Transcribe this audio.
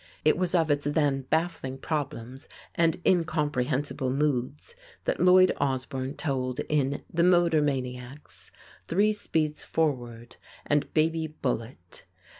It was of its then baffling problems and incomprehensible moods that Lloyd Osbourne told in "The Motor maniacs," "Three Speeds Forward," and "Baby Bullet."